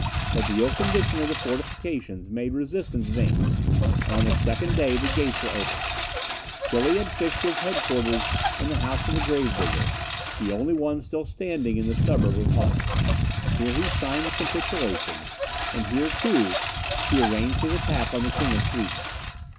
But the ill condition of the fortifications made resistance vain, and on the second day the gates were opened. Tilly had fixed his head quarters in the house of a grave digger, the only one still standing in the suburb of Halle: here he signed the capitulation, and here, too, he arranged his attack on the King of Sweden.